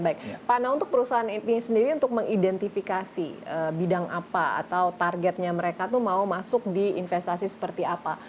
baik pak nah untuk perusahaan ini sendiri untuk mengidentifikasi bidang apa atau targetnya mereka tuh mau masuk di investasi seperti apa